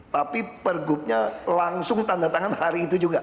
tapi pergubnya langsung tanda tangan hari itu juga